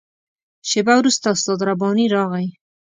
شېبه وروسته استاد رباني راغی.